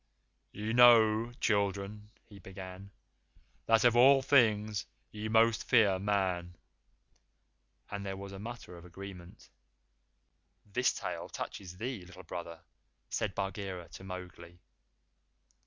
"Ye know, children," he began, "that of all things ye most fear Man;" and there was a mutter of agreement. "This tale touches thee, Little Brother," said Bagheera to Mowgli.